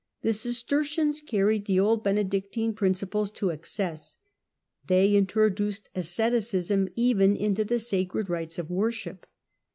The Cistercians carried the old Benedictine principles to excess. They introduced asceticism even into the sacred rites of worship.